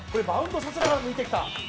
バウンドさせながら抜いてきた